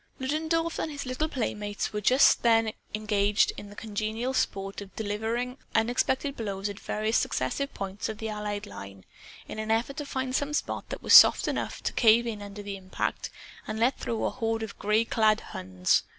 Ludendorff and his little playmates were just then engaged in the congenial sport of delivering unexpected blows at various successive points of the Allied line, in an effort to find some spot that was soft enough to cave in under the impact and let through a horde of gray clad Huns.